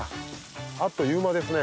あっという間ですね。